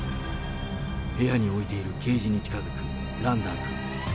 部屋に置いているケージに近づくランダーくん。